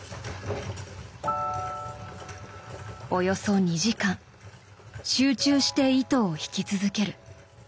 およそ２時間集中して糸を引き続ける。